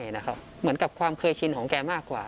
ไม่นะครับเหมือนกับความเคยชินของแกมากกว่า